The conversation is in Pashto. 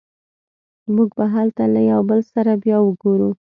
موږ به هلته له یو بل سره بیا وګورو